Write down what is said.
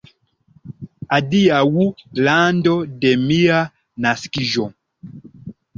Adiaŭ, lando de mia naskiĝo!